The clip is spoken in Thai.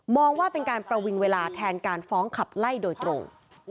ว่าเป็นการประวิงเวลาแทนการฟ้องขับไล่โดยตรง